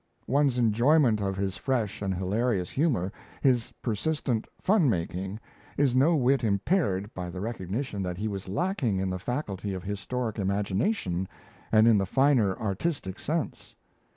One's enjoyment of his fresh and hilarious humour, his persistent fun making is no whit impaired by the recognition that he was lacking in the faculty of historic imagination and in the finer artistic sense.